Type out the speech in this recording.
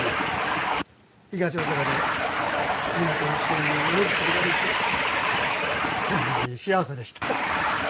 東大阪で皆と一緒にものづくりができてホンマに幸せでした。